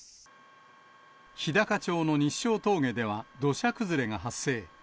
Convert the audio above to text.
日高町の日勝峠では、土砂崩れが発生。